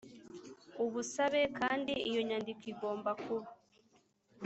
ubusabe kandi iyo nyandiko igomba kuba